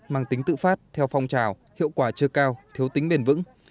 mang tính tự phát theo phong trào hiệu quả chưa cao thiếu tính bền vững